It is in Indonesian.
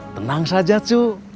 tenang saja cu